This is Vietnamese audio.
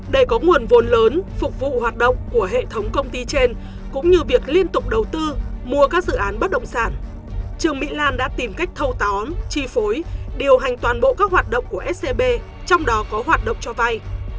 để có nguồn vốn lớn phục vụ hoạt động của hệ thống công ty trên cũng như việc liên tục đầu tư mua các dự án bất động sản trương mỹ lan đã tìm cách thâu tóm chi phối điều hành toàn bộ các hoạt động của scb trong đó có hoạt động cho vay